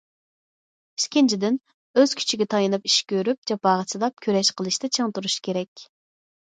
ئىككىنچىدىن، ئۆز كۈچىگە تايىنىپ ئىش كۆرۈپ، جاپاغا چىداپ كۈرەش قىلىشتا چىڭ تۇرۇش كېرەك.